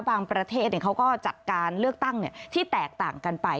ประเทศเขาก็จัดการเลือกตั้งที่แตกต่างกันไป